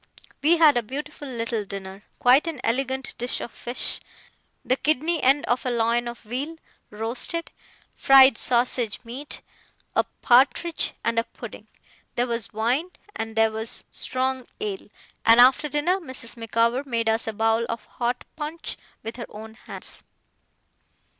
We had a beautiful little dinner. Quite an elegant dish of fish; the kidney end of a loin of veal, roasted; fried sausage meat; a partridge, and a pudding. There was wine, and there was strong ale; and after dinner Mrs. Micawber made us a bowl of hot punch with her own hands.